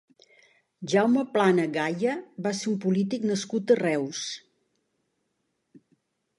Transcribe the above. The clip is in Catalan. Jaume Plana Gaya va ser un polític nascut a Reus.